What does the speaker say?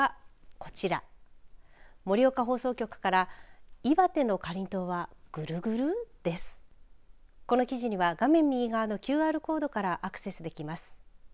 この記事は画面右側のＱＲコードからアクセスできます。